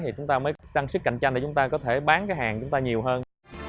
thì chúng ta mới sản xuất cạnh tranh để chúng ta có thể bán hàng chúng ta nhiều hơn